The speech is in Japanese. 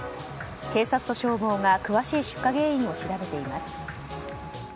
警察と消防が詳しい出火原因を調べています。